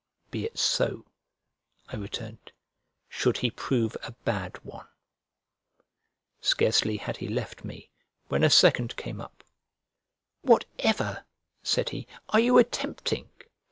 "Be it so," I returned, "should he prove a bad one." Scarcely had he left me when a second came up: "Whatever," said he, "are you attempting?